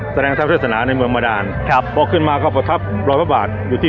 แสดงทัพเทศนาในเมืองบาดานครับพอขึ้นมาก็ประทับรอยพระบาทอยู่ที่